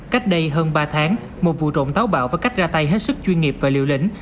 cách đây hơn ba tháng một vụ trộm táo bạo với cách ra tay hết sức chuyên nghiệp và liều lĩnh